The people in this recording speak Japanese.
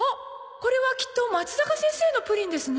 これはきっとまつざか先生のプリンですね。